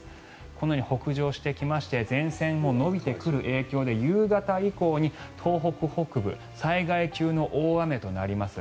このように北上してきまして前線も延びてくる影響で夕方以降に東北北部災害級の大雨となります。